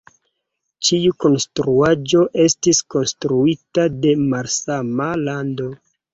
Ĉiu konstruaĵo estis konstruita de malsama lando.